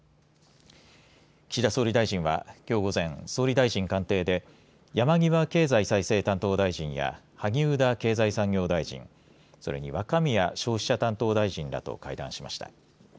岸田総理大臣はきょう午前、総理大臣官邸で山際経済再生担当大臣や萩生田経済産業大臣、それに若宮消費者担当大臣らと会談しました。